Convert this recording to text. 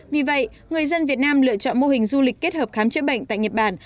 vì vậy người dân việt nam lựa chọn mô hình du lịch kết hợp khám chữa bệnh tại nhật bản